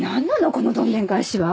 このどんでん返しは。